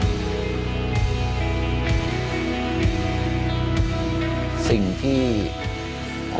หนูอยากให้พ่อกับแม่หายเหนื่อยครับ